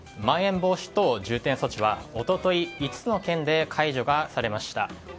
まん延防止等重点措置は一昨日５つの県で解除されました。